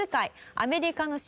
アメリカの方だ。